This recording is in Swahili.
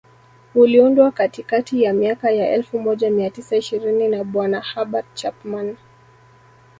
uliundwa katikati ya miaka ya elfu moja mia tisa ishirini na bwana Herbert Chapman